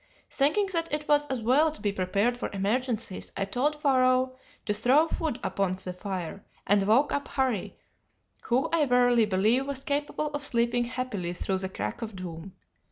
"Thinking that it was as well to be prepared for emergencies, I told Pharaoh to throw wood upon the fire, and woke up Harry, who I verily believe was capable of sleeping happily through the crack of doom.